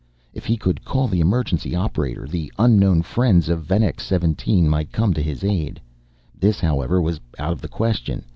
If he could call the emergency operator the unknown friends of Venex 17 might come to his aid. This, however, was out of the question.